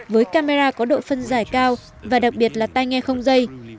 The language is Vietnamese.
với camera có độ phân giải cao và đặc biệt là tay nghe không dây